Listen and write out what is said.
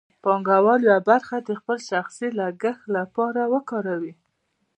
پانګوال یوه برخه د خپل شخصي لګښت لپاره کاروي